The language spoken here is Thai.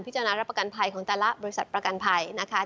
จารณรับประกันภัยของแต่ละบริษัทประกันภัยนะคะ